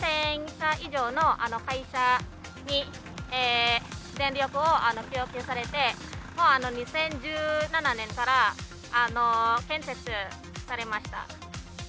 ２０００社以上の会社に電力を供給されて、２０１７年から建設されました。